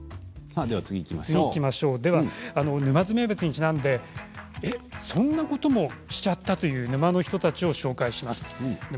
沼津名物にちなんでこんなことをしちゃったの？という人たちをご紹介します。